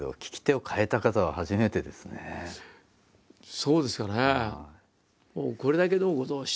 そうですかね。